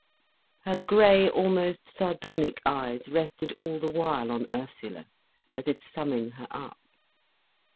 Her grey, almost sardonic eyes rested all the while on Ursula, as if summing her up.